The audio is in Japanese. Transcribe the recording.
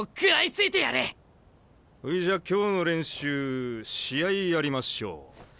ほいじゃ今日の練習試合やりましょう。